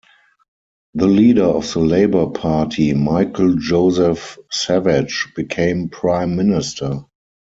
The leader of the Labour Party, Michael Joseph Savage, became Prime Minister.